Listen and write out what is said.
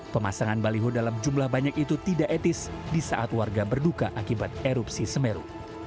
pemasangan baliho dalam jumlah banyak itu tidak etis di saat warga berduka akibat erupsi semeru